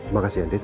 makasih ya dedy